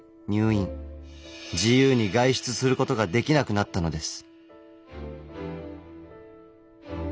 自由に外出することができなくなったのです。